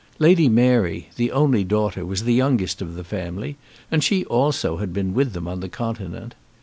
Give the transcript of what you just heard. Lady Mary, the only daughter, was the youngest of the family, and she also had been with them on the Continent.